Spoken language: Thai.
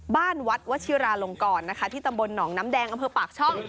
วัดวชิราลงกรนะคะที่ตำบลหนองน้ำแดงอำเภอปากช่อง